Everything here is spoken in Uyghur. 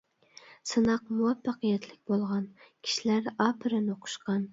سىناق مۇۋەپپەقىيەتلىك بولغان، كىشىلەر ئاپىرىن ئوقۇشقان.